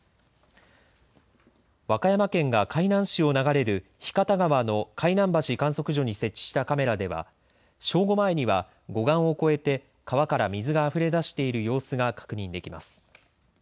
和歌山県が海南市を流れる日方川の海南橋観測所に設置したカメラでは正午前には護岸を越えて川から水があふれ出している様子が確認できます。